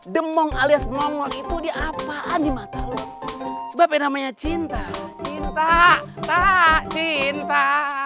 demong alias nongol itu diapaan di mata lu sebab namanya cinta cinta tak cinta